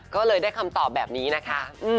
ก็เลยได้คำตอบแบบนี้นะคะ